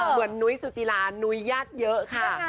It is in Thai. นุ้ยสุจิรานุ้ยญาติเยอะค่ะ